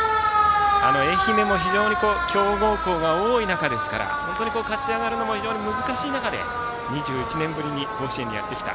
愛媛も非常に強豪校が多い中ですから勝ち上がるのも難しい中で２１年ぶりに甲子園にやってきた。